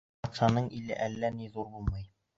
Батшаның иле әллә ни ҙур булмай.